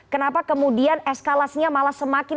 kenapa kemudian eskalasinya malah semakin